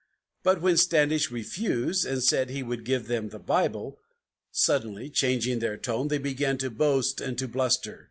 But when Standish refused, and said he would give them the Bible, Suddenly changing their tone, they began to boast and to bluster.